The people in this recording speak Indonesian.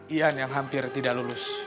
ian yang hampir tidak lulus